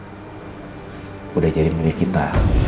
sudah jadi milik kita